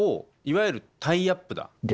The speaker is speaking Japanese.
いわゆるタイアップだ。